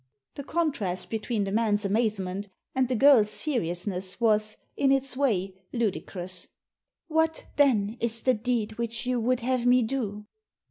" The contrast between the man's amazement and the girl's seriousness was, in its way, ludicrous. "What, then, is the deed which you would have me do?"